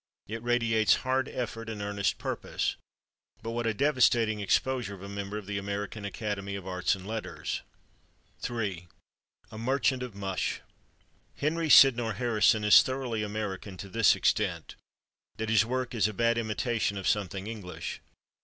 It radiates hard effort and earnest purpose.... But what a devastating exposure of a member of the American Academy of Arts and Letters! 3 A Merchant of Mush Henry Sydnor Harrison is thoroughly American to this extent: that his work is a bad imitation of something English.